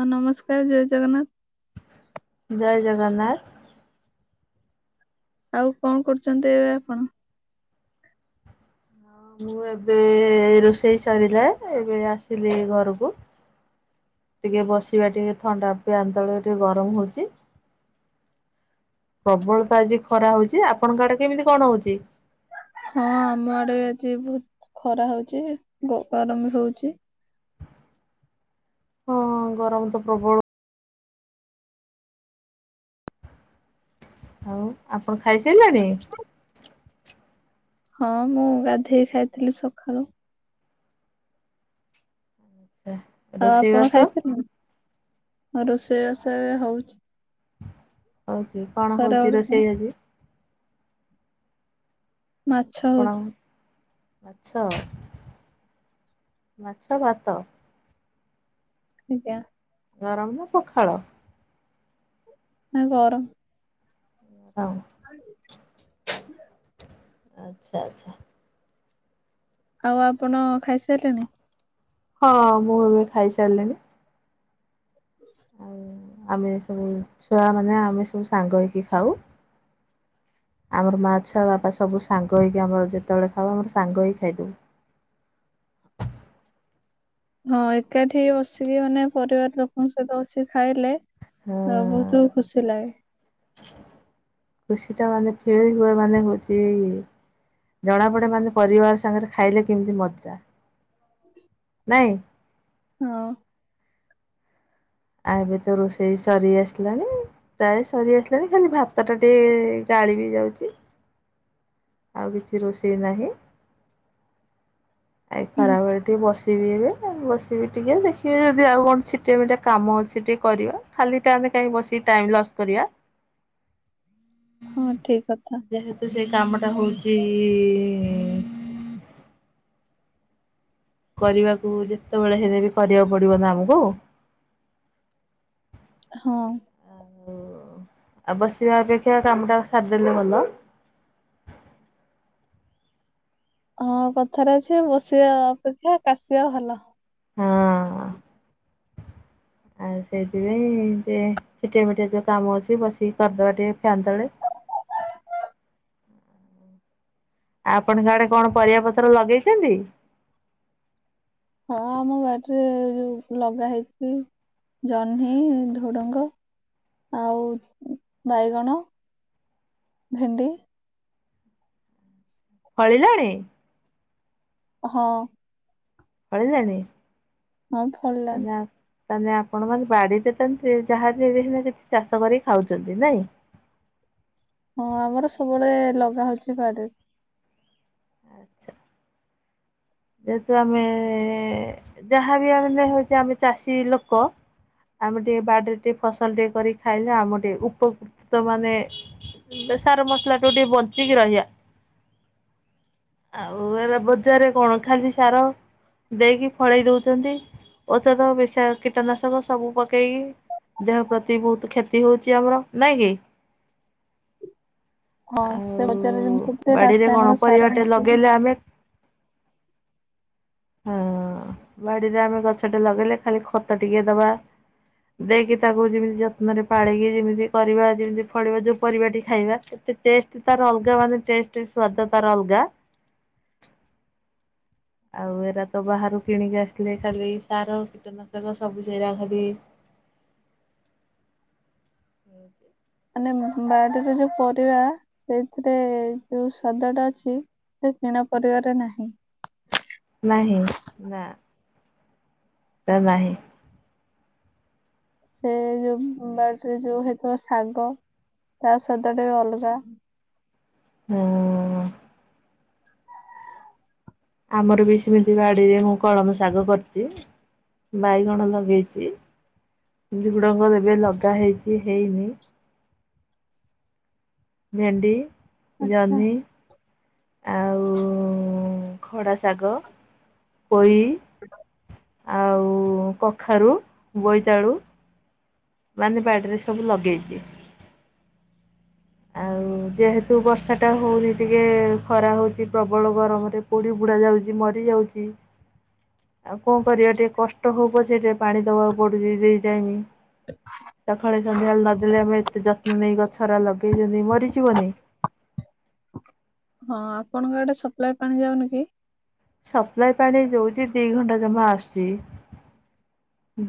ହଁ ନମସ୍କାର ଜୟ ଜଗନ୍ନାଥ। ଜୟ ଜଗନ୍ନାଥ। ଆଉ କଣ କରୁଛନ୍ତି ଏବେ ଆପଣ? ହଁ ମୁଁ ଏବେ ରୋଷେଇ ସରିଲା ଏବେ ଆସିଲି ଘରକୁ। ଟିକେ ବସିବା ଟିକେ ଥଣ୍ଡା ଫ୍ୟାନ ତଳେ ଟିକେ ଗରମ ହଉଛି। ପ୍ରବଳ ତ ଆଜି ଖରା ହଉଛି ଆପଣଙ୍କ ଆଡେ କେମିତି କଣ ହଉଛି? ହଁ ଆମ ଆଡେ ଆଜି ବହୁତ ଖରା ହଉଛି ଗରମ ବି ହଉଛି। ହଁ ଗରମ ତ ପ୍ରବଳ। ଆଉ ଆପଣ ଖାଇସାରିଲେଣି? ହଁ ମୁଁ ଗାଧେଇ ଖାଇଥିଲି ସକାଳୁ। ଆଉ ରୋଷେଇ ଆପଣ ବାସ ଖାଇ [unintelligible] ରୋଷେଇ ବାସ ଏବେ ହଉଛି। ହଉଛି କଣ ହଉଛି ଖରାବେଳ ପାଇଁ ରୋଷେଇ ଆଜି? ମାଛ ଆପଣ ହଉଛି। ମାଛ ମାଛ ଭାତ। ଆଜ୍ଞା। ଗରମ ନା ପଖାଳ? ନା ଗରମ। [unintelligible] ଆଚ୍ଛା ଆଚ୍ଛା। ଆଉ ଆପଣ ଖାଇସାରିଲେଣି? ହଁ ମୁଁ ଏବେ ଖାଇ ସାରିଲିଣିି। ଆମେ ସବୁ ଛୁଆ ମାନେ ଆମେ ସବୁ ସାଙ୍ଗ ହେଇକି ଖାଉ। ଆମର ମାଆ ଛୁଆ ବାପା ସବୁ ସାଙ୍ଗ ହେଇକି ଆମର ଯେତେବେଳେ ଖାଉ ଆମର ସାଙ୍ଗ ହେଇକି ଖାଇଦଉ। ହ ହଁ ଏକାଠି ବସିକି ମାନେ ପରିବାର ଲୋକଙ୍କ ସହିତ ବସିକି ଖାଇଲେ ବହୁତ ଖୁସି ଲାଗେ। ଖୁସି ଟା ମାନେ [unintelligible] ମାନେ ହଉଛି ଜଣାପଡେ ମାନେ ପରିବାର ସାଙ୍ଗରେ ଖାଇଲେ କେମିତି ମଜା। ନାଇଁ। ହଁ। ଏବେ ତ ରୋଷେଇ ସରି ଆସିଲାଣି ପ୍ରାୟ ସରି ଆସିଲାଣି ଖାଲି ଭାତ ଟା ଟିକେ ଗା ଗାଳି ବି ଯାଉଛି। ଆଉ କିଛି ରୋଷେଇ ନାହିଁ। ଆ ଖରାବେଳେ ଟିକେ ବ [unintelligible] ଏବେ ବସିବି ଟିକେ ଦେଖିବି ଯଦି ଆଉ କଣ ଛିଟା ମିଟା କାମ ଅଛି ଟିକେ କରିବା ଖାଲି ତା କାଇଁ ବସି ଟାଇମ ଲସ୍ କରିବା। ହଁ ଠିକ କଥା। ସେଟା ହଉଚି କରିବାକୁ ଯେତେବେଳେ ହେଲେ ବି କରିବାକୁ ପଡିବ ନା ଆମକୁ। ହଁ। ଆଉ ବସିବା ଅପେକ୍ଷା କାମ ଟା ସାରିଦେଲେ ଭଲ। ହଁ କଥାରେ ଅଛି ବସିବା ଅପେକ୍ଷା କାଶିବା ଭଲ। ହଁ। ଆଉ ସେଇଥିପାଇଁ ଟିକେ ଛିଟିଆ ମିଟିଆ ଯେଉ କାମ ଅଛି ବସିକି କରିଦେବା ଟିକେ ଫ୍ୟାନ୍ ତଳେ। [inaudible] ଆପଣଙ୍କ ଆଡେ କଣ ପରିବା ପତ୍ର ଲଗେଇଛନ୍ତି? ହଁ ଆମ ବାଡିରେ ଯୋଉ ଲଗା ହେଇଛି। ଜହ୍ନି ଢୁଡ଼ଙ୍ଗ ଆଉ ବାଇଗଣ। ଭେଣ୍ଡି। ଫଳିଲାଣି ହଁ। ଫଳିଲାଣି? ହଁ ଫଳିଲାଣି। ତାହେଲେ ତାହେଲେ ଆପଣ ମାନ ବାଡିରେ ଯାହାବି କିଛିନା କିଛି ଚାଷ କରିକି ଖାଉଛନ୍ତି ନାଇଁ। [inaudible] ହଁ ଆମର ସବୁବେଳେ ଲଗା ହଉଛି ବାଡି [inaudible] ଯେହେତୁ ଆମେ ଯାହାବି ହେଲେ ହଉଛି ଆମେ ଚାଷୀ ଲୋକ। ଆମେ ଟିକେ ବାଡିରେ ଟିକେ ଫସଲ ଟିକେ କରିକି ଖାଇଲେ ଆମେ ଟିକେ ଉପକୃତ ମାନେ ସାର ମସଲା ଠୁ ଟିକେ ବଞ୍ଚିକି ରହିବା। ଆଉ ଏବେ ବଜାରରେ କଣ ଖାଲି ସାର। ଦେଇକି ଫଳେଇ ଦଉଛନ୍ତି ଔଷଧ ବେଶା କୀଟନାଶକ ସବୁ ପକେଇକି। ଦେହ ପ୍ରତି ବହୁତ କ୍ଷତି ହଉଛି ଆମର ନାଇଁ କି? ହଁ ସେ ବଜାର ଆଉ ଜିନିଷ ତ ବାଡିରେ କଣ ରାସାୟନିକ ସାର ପରିବାଟେ ମିଶୁଛି ଲଗେଇଲେ ଆମେ ହଁ ବାଡିରେ ଆମେ ଗଛ ଟିଏ ଲଗେଇଲେ ଖାଲି ଖତ ଟିକେ ଦବା। ଦେଇକି ତାକୁ ଯେମିତି ଯତ୍ନରେ ପାଳିକି ଯେମିତି କରିବା ଯେମିତି ଫଳିବା ଯୋଉ ପରିବାଟି ଖାଇବା। ଟେଷ୍ଟ ତାର ଅଲଗା ମାନେ ଟେଷ୍ଟ ସ୍ୱାଦ ତାର ଅଲଗା। ଆଉ ଏରା ତ ବାହାରୁ କିଣିକି ଆସିଲେ ଖାଲି ତାର କୀଟନାଶକ ସବୁ ସେରା ଖାଲି [inaudible] ହୁଁ ଯେ ମାନେ ବାଡିରେ ଯୋଉ ପରିବା ସେଇଥିରେ ଯୋଉ ସ୍ୱାଦଟା ଅଛି ସେ କିଣା ପରିବାରେ ନାହିଁ। ନାହିଁ ନା ତ ନାହିଁ। ସେ ଯୋଉ ବାଡିରେ ଯୋଉ ହେଇଥିବ ଶାଗ ତା ସହିତ ଟିକେ ଅଲଗା ହଁ। ଆମର ବି ସେମିତି ବାଡିରେ ମୁଁ କଳମ ଶାଗ କରିଛି। ବାଇଗଣ ଲଗେଇଛି। ତି ଗୁଡ଼ଙ୍କର ଏବେ ଲଗା ହେଇଛି ହେଇନି। ଭେଣ୍ଡି ଆଚ୍ଛା ଜହ୍ନି ଆଉ ଖଡ଼ା ଶାଗ ପୋଇ ଆଉ କଖାରୁ ବୋଇତାଳୁ ମାନେ ବାଡିରେ ସବୁ ଲଗେଇଛି। ଆଉ ଯେହେତୁ ବର୍ଷା ଟା ହଉନି ଟିକେ ଖରା ହଉଛି ପ୍ରବଳ ଗରମରେ ପୋଡି ପୁଡ଼ା ଯାଉଛି ମରିଯାଉଛି ଆଉ କଣ କରିବା ଟିକେ କଷ୍ଟ ହଉ ପଛେ ଟିକେ ପାଣି ଦବାକୁ ପଡୁଛି ଦି ଟାଇମ। ସଖାଳେ ସନ୍ଧ୍ୟାବେଳେ ନଦେଲେ ଆମେ ଏତେ ଯତ୍ନ ନେଇ ଗଛରା ଲଗେ ଗେଇଛନ୍ତି ମରି ଯିବନି। ହଁ ଆପଣଙ୍କ ଆଡ଼େ ସପ୍ଲାଏ ପାଣି ଯାଉନ କି? ସପ୍ଲାଇ ପାଣି ଦଉଛି ଦିଇ ଘଣ୍ଟା ଜମା ଆସୁଛି।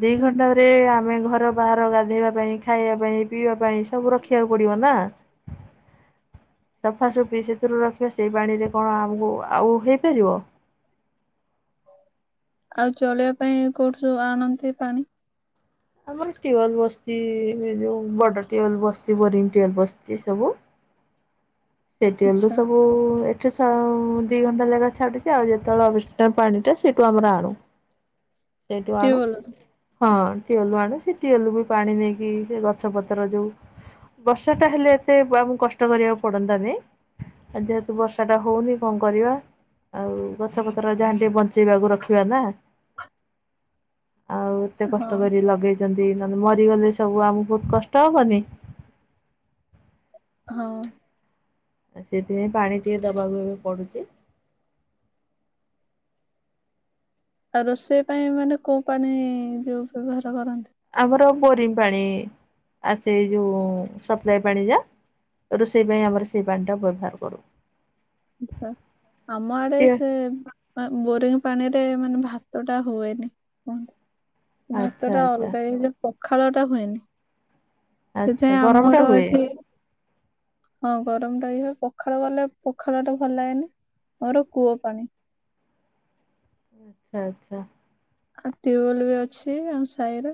ଦି ଘଣ୍ଟାରେ ଆମେ ଘର ବାହାର ଗାଧୋଇବା ପାଇଁ ଖାଇବା ପାଇଁ ପିଇବା ପାଇଁ ସବୁ ରଖିବାକୁ ପଡିବ ନା। ସଫାସଫି ସେଥିରୁ ରଖିବା ସେଇ ପାଣିରେ କଣ ଆମକୁ ଆଉ ହେଇପାରିବ।। ଆଉ ଚଳିବା ପାଇଁ କୋଉଠୁ ସବୁ ଆଣନ୍ତି ପାଣି? ଆମର ଟ୍ୟୁୱଲ୍ ବସିଛି ଏ ଯେଉ ବଡ଼ ଟ୍ୟୁୱେଲ୍ ବସିଛି ବୋରିଙ୍ଗ ଟ୍ୟୁୱଲ୍ ବସିଛି ସବୁ। ସେ ଟ୍ୟୁୱେଲ ରୁ ଆଚ୍ଛା ସବୁ ଏଠି ଆଉ। ସେଇଠୁ ଆଣୁ। ଟ୍ୟୁବୱେଲରୁ ହଁ ଟିୱଲ୍ ରୁ ଆଣୁ ସେ ଟଟିୱଲ ବି ପାଣି ନେଇକି ସେ ଗଛ ପତ୍ର ଯୋଉ ବର୍ଷା ଟା ହେଲେ ଏତେ ଆମକୁ କଷ୍ଟ କରିବାକୁ ପଡନ୍ତାନେଇ। ଆ ଯେହେତୁ ବର୍ଷା ଟା ହୋଉନି କଁ କରିବା? ଆଉ ଗଛପତ୍ର ଯାହା ଟିକେ ବଞ୍ଚେଇବାକୁ ରଖିବା ନା। ଆଉ ଏତେ ହଁ କଷ୍ଟ କରି ଲଗେଇଚ ଚି ନନେ ମରିଗନେ ସବୁ ଆମୁକୁ କଷ୍ଟ ହବନି? ହଁ। ଆଉ ସେଥିପାଇଁ ପାଣି ଟିକେ ଦବାକୁ ଏବେ ପଡୁଚି। ଆଉ ରୋଷେଇ ପାଇଁ ମାନେ କୋଉ ପାଣି ଯୋଉ ବ୍ୟବହାର କର ଆମର ବୋରିଂ ପାଣି ଆସେ ଯୋଉ ସପ୍ଲାଏ ପାଣି ଯା। ରୋଷେଇ ପାଇଁ ଆମର ସେଇ ପାଣିଟା ବ୍ୟବହାର କରୁ। ଆମ ଆଡେ ସେ ବୋରିଂ ପାଣି ତେ ମାନେ ଭାତ ଟା ହୁଏନି କ ଆଚ୍ଛା ଭାତ ଟା ଆଚ୍ଛା ଅଲଗା ହେଇଯା ପଖାଳ ଟା ହୁଏନି ଆଚ୍ଛା ସେଥିପାଇଁ ଗରମ ଟା ଆମର ହୁଏ। ଏଠି ହଁ ଗରମ ଟା ଇଏ ପଖାଳ ଗଲେ ପ ଖାଳ ଟା ଭଲ ହେଇନି ମୋର କୂଅ ପାଣି। ଆଚ୍ଛା। ଆଉ ଟ୍ୟୁୱଲ୍ ବି ଅଛି ଆମ ସାହିରେ।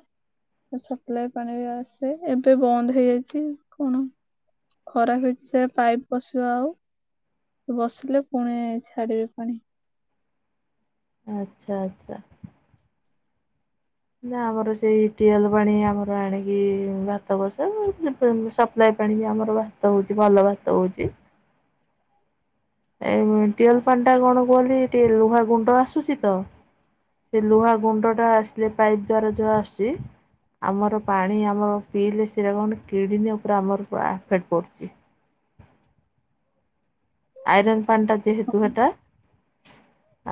ସପ୍ଲାାଇ ପାଣି ବି ଆସେ ଏବେ ବନ୍ଦ ହେଇଯାଇଚି କଣ ଖରାପ ହେଇଛି ସେ ପାଇପ ବସିବା ଆଉ। ବସିଲେ ପୁଣି ଛାଡିବି ପାଣି। ଆଚ୍ଛା ଆଚ୍ଛା। ନା ଆମର ସେଇ ଟିୱଲ ପାଣି ଆମର ଆଣିକି ଭାତ ବସୋଉ ସପ୍ ପାଣି ଆମର ଭାତ ହଉଛି ଭଲ ଭାତ ହୋଉଚି। ଏ ଟିୱେଲ ପାଣି ଟା କଣ କୁହନ୍ତି ଟିକେ ଲୁହା ଗୁଣ୍ଡ ଆସୁଚି ତ। ସେ ଲୁହା ଗୁଣ୍ଡ ଟା ଆସିଲେ ପାଇପ୍ ଦ୍ଵାରା ଯୋହା ଆସୁଚି ଆମର ପାଣି ଆମର ପିଇଲେ ସେରା କଣ କିଡ଼ିନୀ ଉପରେ ଆମର ଏଫେଟ୍ ପଡୁଚି।। ଆଇରନ୍ ପାଣୀ ଟା ଯେହେତୁ ହେଟା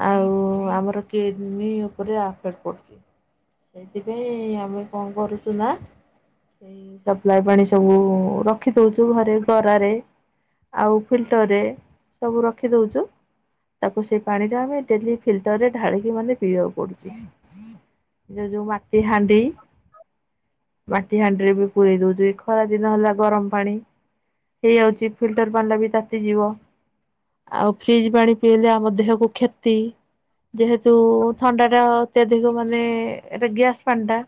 ଆଉ ଆମର କିଡ୍ନୀ ଉପରେ ଆଫେଟ୍ ପଡୁଚି। ସେଇଥିପାଇଁ ଆମେ କଁ କରୁଚୁ ନା ଏଇ ସପ୍ଲାାଏ ପାଣି ସବୁ ରଖି ଦୋଉଚୁ ଘରେ ଗରାରେ। ଆଉ ଫିଲ୍ଟରରେ ସବୁ ରଖିଦୋଉଚୁ। ତାକୁ ସେ ପାଣି ଟା ଆମେ ଡେଲି ଫିଲଟରରେ ଢାଳିକି ମାନେ ପିଇବାକୁ ପଡୁଚି। ଯୋଉ ଯୋଉ ମାଟି ହାଣ୍ଡି। ମାଟି ହାଣ୍ଡିରେ ବି ପୁରମରେଇ ଦୋଉଚୁ ଏଇ ଖରା ଦିନ ହେଲା ଗରମ୍ ପାଣି। ହେଇଯାଉଚି ଫିଲ୍ଟର୍ ପାଣି ଟା ବି ତାତି ଯିବ। ଆଉ ଫ୍ରିଜ୍ ପାଣି ପିଇଲେ ଆମ ଦେହକୁ କ୍ଷତି। ଯେହେତୁ ଥଣ୍ଡା ଟା ଅତ୍ୟାଧିକ ମାନେ ଏଟା ଗ୍ୟାସ୍ ପାଣି ଟା।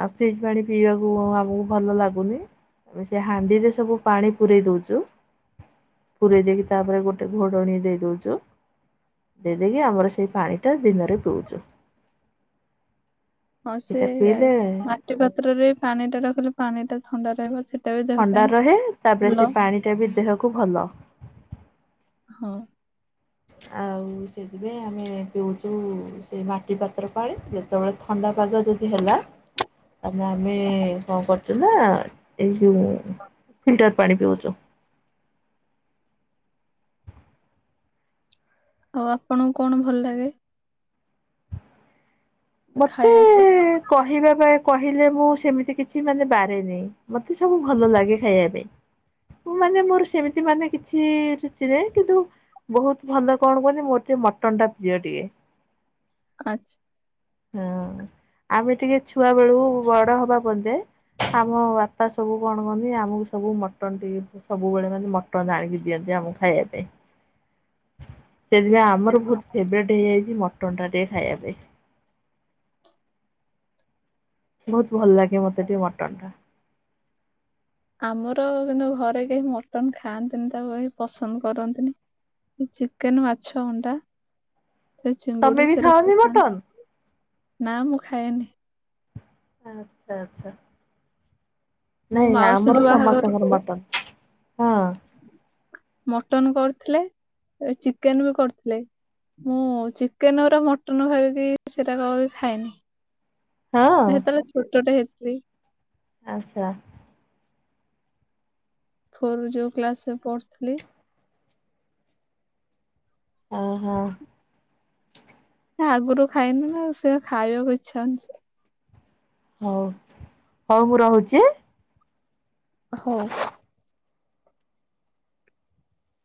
ଆଉ ଫ୍ରିଜ୍ ପାଣି ପିଇବାକୁ ଆମୁକୁ ଭଲ ଲାଗୁନି ଆ ସେ ହାଣ୍ଡିରେ ସବୁ ପାଣି ପୁରରେଇ ଦଞଉଚୁ। ପୁରରେୀ ଦେଇକି ତାପରେ ଗୋଟେ ଘୋଡ଼ଣୀ ଦେଇ ଦୋଉଚୁ। ଦେଇଦକି ଆମର ସେଇ ପାଣିଟା ଦିନରେ ପିଉଚୁ। ହଁ ସେ ମାଟି ପାତ୍ରରେ ପାଣି ଟା ରଖିଲେ ପାଣି ଟା ଥଣ୍ଡା ରହିବ। ସେଟା ବି ଦେହ ଥଣ୍ଡା ପାଇଁ ରହେ ତାପରେ ଭଲ ସେ ପାଣିଟା ବି ଦେହକୁ ଭଲ। ହଁ। ଆଉ ସେଥିପାଇଁ ଆମେ ପିଉଚୁ ସେ ମାଟି ପାତ୍ର ପାଣି। ସେତେବେଳେ ଥଣ୍ଡା ପାଗ ଯଦି ହେଲା ତାହେଲେ ଆମେ କଣ କରୁଛୁ ନା ଏ ଫିଲ୍ଟର ପାଣି ପିଉଚୁ। ଆଉ ଆପଣଙ୍କୁ କଣ ଭଲ ଲାଗେ। ମତେ ଖାଇବାକୁ? କହିବା ପାଇଁ। କହିଲେ ମୁଁ ସେମିତି କିଛି ମାନେ ବାରେନି ମତେ ସବୁ ଭଲ ଲାଗେ ଖାଇବା ପାଇଁ। ମୁଁ ମାନେ ମୋର ସେମିତି ମାନେ କିଛି ରୁଚି ନାହିଁ କିନ୍ତୁ ବହୁତ ଭଲ କଣ କହନି ମୋର ଟିକେ ମଟନ ଟା ପ୍ରିଅ ଟିକେ। ଆଛା। ହଁ ଆମେ ଟିକେ ଛୁଆ ବେଳୁ ବଡ ହବା ବୋଦେ। ଆମ ବାପା ସବୁ କଣ କହନ୍ତି ଆମକୁ ସବୁ ମଟନ ଟିକେ ସବୁବେଳେ ମାନେ ମଟନ ଆଣିକି ଦିଅନ୍ତି। ଆମକୁ ଖାଇବାପାଇଁ। ସେଥିପାଇଁ ଆମର ବହୁତ ଫେବରଟ୍ ହେଇଯାଇଛି ମଟନ୍ଟା ଟ ଖାଇବା ପାଇଁ। ବହୁତ ଭଲ ଲାଗେ ମତେ ଟିକ ମଟନ୍ ଟା, ଆମର କିନ୍ତୁ ଘରେ କେହି ମଟନ ଖାଆନ୍ତିନି ତାକୁ କେହି ପସନ୍ଦ କରନ୍ତିନି। ଚିକେନ ମାଛ ଅଣ୍ଡା। ସେ ତମେ ଚିଙ୍ଗୁଡ଼ି ବି ସେରା ଖାଅନି ମଟନ୍ ସବୁଖାନ୍ତି ନା ମୁଁ ଖାଏନି। ଆଚ୍ଛା ଆଚ୍ଛା। ମୋ ନାଇଁ ମାଉସୀଙ୍କ ଆମର ବାହାଘରକୁ ସମସ୍ତଙ୍କର ମଟନ। ଥିଲେ ଚିକେନ ବି କରୁଥିଲେ। ମୁଁ ଚିକେନ ଗୁରା ମଟନ ଭାବିକି ସେରାକ ବି ଖାଏନି। ହଁ ହେତେଳେ ଛୋଟଟେ ହେଇଥିଲି। ଆଚ୍ଛା। ଫୋରରୁ ଯୋଉ କ୍ଲାସରେ ପଢୁଥିଲି। ଅ ହୋ। ଆଗରୁ ଖାଇନି ନା ସେ ଖାଇବାକୁ ଇଚ୍ଛା ହଉନି ହଉ ହଉ ମୁଁ ରହୁଛି। ହଉ।